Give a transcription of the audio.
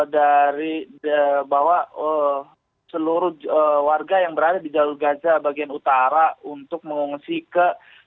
dari bahwa seluruh warga yang berada di jalur gaza bagian utara untuk mengungsi ke